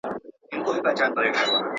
د بلبل په نوم هیچا نه وو بللی.